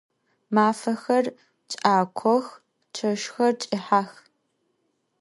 Mafexer ç'akox, çeşxer ç'ıhex.